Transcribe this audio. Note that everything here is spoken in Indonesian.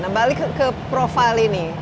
nah balik ke profil ini